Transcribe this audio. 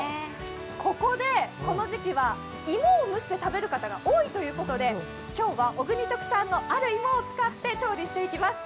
ここで、この時期は芋を蒸して食べる方が多いということで今日は小国特産のある芋を使って調理していきます。